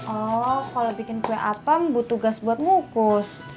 oh kalau bikin kue apam butuh gas buat ngukus